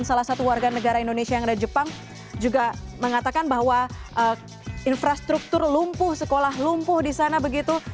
salah satu warga negara indonesia yang ada jepang juga mengatakan bahwa infrastruktur lumpuh sekolah lumpuh di sana begitu